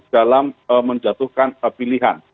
dalam menjatuhkan pilihan